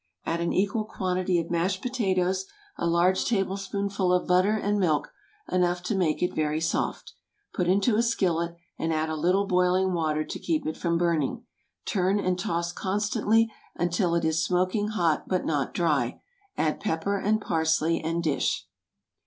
Add an equal quantity of mashed potatoes, a large tablespoonful of butter and milk, enough to make it very soft. Put into a skillet, and add a little boiling water to keep it from burning. Turn and toss constantly until it is smoking hot but not dry; add pepper and parsley, and dish.